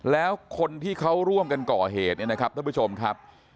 แล้วคนที่เขาร่วมกันก่อเหตุเนี่ยนะครับท่านผู้ชมครับ